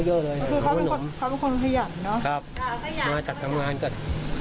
ใช่ใช่ค่ะมาจัดทำงานก่อน